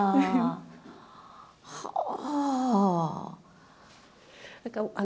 はあ。